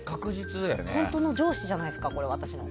本当の上司じゃないですか私の。